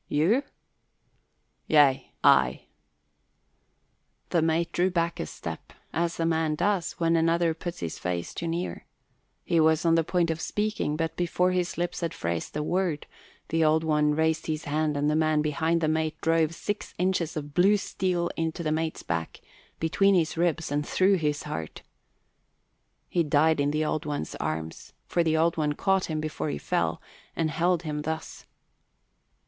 "You?" "Yea, I." The mate drew back a step, as a man does when another puts his face too near. He was on the point of speaking; but before his lips had phrased a word the Old One raised his hand and the man behind the mate drove six inches of blue steel into the mate's back, between his ribs and through his heart. He died in the Old One's arms, for the Old One caught him before he fell, and held him thus.